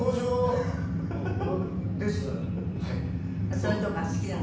そういうとこが好きなの？